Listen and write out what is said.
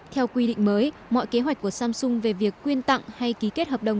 theo quy định mới mọi kế hoạch của samsung về việc quyên tặng hay ký kết hợp đồng